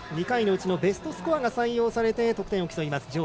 ２回のうちのベストスコアが採用されて得点を競います。